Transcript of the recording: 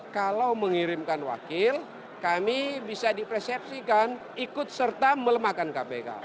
kalau mengirimkan wakil kami bisa dipersepsikan ikut serta melemahkan kpk